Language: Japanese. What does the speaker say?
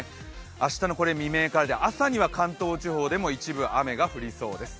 明日の未明からで、朝には関東地方でも一部、雨が降りそうです。